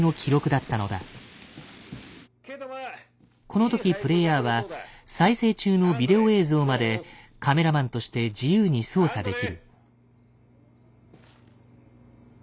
この時プレイヤーは再生中のビデオ映像までカメラマンとして自由に操作できる。